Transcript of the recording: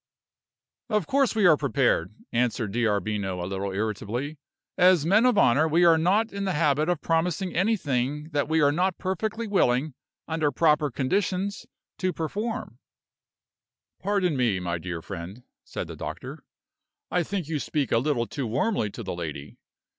"Of course we are prepared," answered D'Arbino, a little irritably. "As men of honor, we are not in the habit of promising anything that we are not perfectly willing, under proper conditions, to perform." "Pardon me, my dear friend," said the doctor; "I think you speak a little too warmly to the lady.